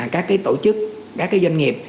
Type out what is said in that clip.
các cái tổ chức các cái doanh nghiệp